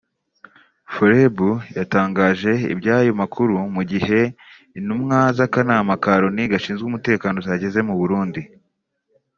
Forebu yatangaje iby’ayo makuru mu gihe intumwa z’akanama ka Loni gashinzwe umutekano zageze muri Burundi